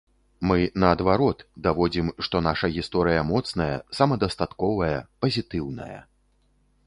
Мы, наадварот, даводзім, што наша гісторыя моцная, самадастатковая, пазітыўная.